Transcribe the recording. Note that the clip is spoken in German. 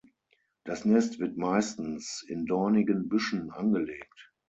Das Nest wird meistens in dornigen Büschen angelegt.